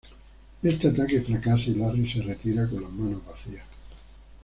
Este ataque fracasa y Larry se retira con las manos vacías.